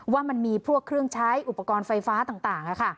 ว่ามันมีพวกเครื่องใช้อุปกรณ์ไฟฟ้าต่าง